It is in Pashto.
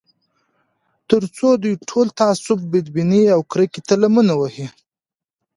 تر څو دوی ټول تعصب، بدبینۍ او کرکې ته لمن ووهي